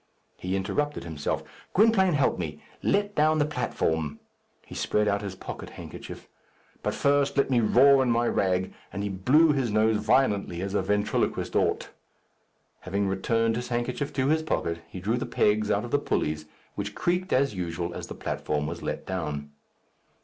He interrupted himself. "Gwynplaine, help me. Let down the platform." He spread out his pocket handkerchief. "But first let me roar in my rag," and he blew his nose violently as a ventriloquist ought. Having returned his handkerchief to his pocket, he drew the pegs out of the pulleys, which creaked as usual as the platform was let down.